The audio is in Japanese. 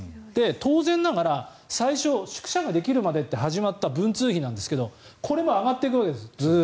当然ながら最初、宿舎ができるまでと始まった文通費なんですけど、ずっとこれも上がっていくわけです。